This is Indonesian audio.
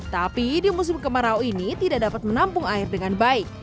tapi di musim kemarau ini tidak dapat menampung air dengan baik